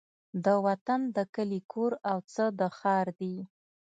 د وطن د کلي کور او څه د ښار دي